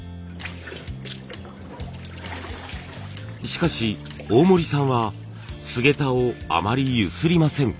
しかし大森さんはすげたをあまり揺すりません。